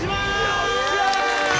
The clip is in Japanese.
よっしゃ！